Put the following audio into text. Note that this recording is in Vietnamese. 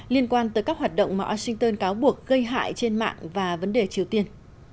liên quan tới các hoạt động mà washington cáo buộc gây hại trên mạng và vấn đề triều tiên